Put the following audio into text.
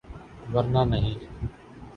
‘ ورنہ نہیں۔